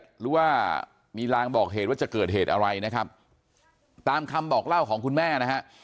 หรือว่ามีลางบอกเหตุว่าจะเกิดเหตุอะไรนะครับตามคำบอกเล่าของคุณแม่นะฮะ